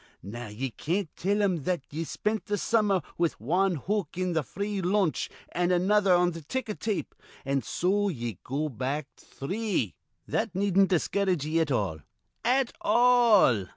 Now ye can't tell him that ye spent th' summer with wan hook on th' free lunch an' another on th' ticker tape, an' so ye go back three. That needn't discourage ye at all, at all.